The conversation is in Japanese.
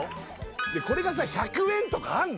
これが１００円とかあんの？